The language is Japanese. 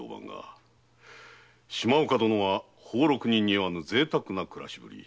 島岡殿は俸禄に似合わぬ贅沢な暮らしぶり。